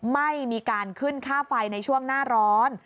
ไม่มีการขึ้นค่าไฟในช่วงหน้าร้อน